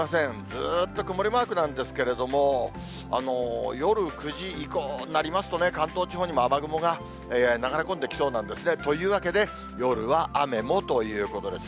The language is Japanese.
ずっと曇りマークなんですけれども、夜９時以降になりますとね、関東地方にも雨雲が流れ込んできそうなんですね。というわけで、夜は雨もということです。